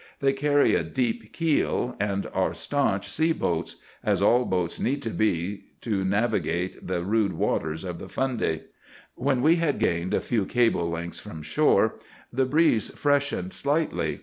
They carry a deep keel, and are stanch sea boats—as all boats need to be that navigate the rude waters of Fundy. "When we had gained a few cable lengths from shore the breeze freshened slightly.